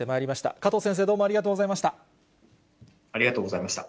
加藤先生、どうもありがとうござありがとうございました。